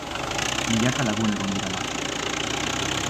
Milaka lagun egon dira martxan.